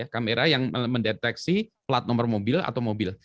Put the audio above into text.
kamera yang mendeteksi plat nomor mobil atau mobil